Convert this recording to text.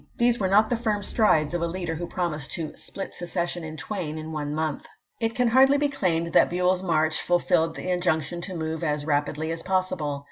These were not the firm strides of a leader who promised to " split secession in twain in one month." It can hardly be claimed that Buell's march ful filled the injunction to move " as rapidly as pos sible."